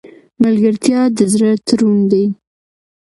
ملګرتیا د زړه تړون دی.